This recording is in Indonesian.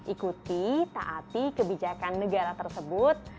ikuti taati kebijakan negara tersebut